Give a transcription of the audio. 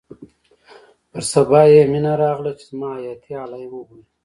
پر سبا يې مينه راغله چې زما حياتي علايم وګوري.